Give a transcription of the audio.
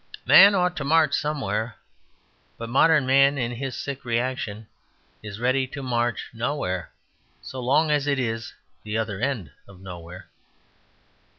Man ought to march somewhere. But modern man (in his sick reaction) is ready to march nowhere so long as it is the Other End of Nowhere.